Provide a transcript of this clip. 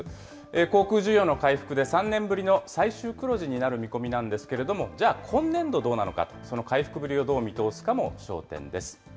航空需要の回復で３年ぶりの最終黒字になる見込みなんですけれども、じゃあ今年度どうなのか、その回復ぶりをどう見通すかも焦点です。